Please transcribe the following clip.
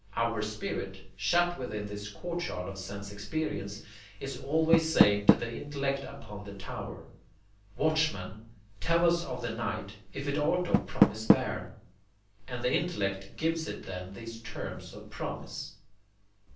Our spirit, shut within this courtyard of sense experience, is always saying to the intellect upon the tower: 'Watchman, tell us of the night, if it aught of promise bear,' and the intellect gives it then these terms of promise.